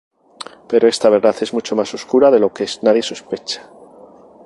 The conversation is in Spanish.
Pero esta verdad es mucho más oscura de lo que nadie sospecha.